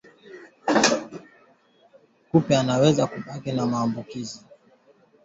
Kupe anaweza kubaki na maambukizi